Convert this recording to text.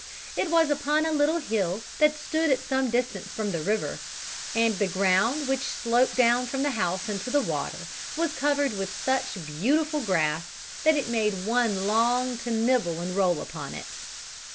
It was upon a little hill that stood at some distance from the river, and the ground which sloped down from the house into the water was covered with such beautiful grass, that it made one long to nibble and roll upon it.